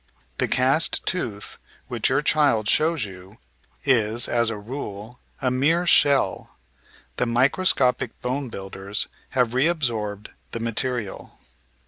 The cast tooth which your child shows you is, as a rule, a mere shell. The microscopic bone builders have re ab sorbed the material.